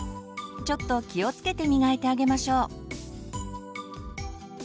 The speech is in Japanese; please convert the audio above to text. ちょっと気をつけてみがいてあげましょう。